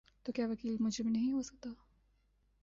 تو کیا وکیل مجرم نہیں ہو سکتا؟